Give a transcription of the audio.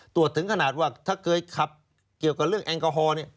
ถึงขนาดว่าถ้าเคยขับเกี่ยวกับเรื่องแอลกอฮอลเนี่ย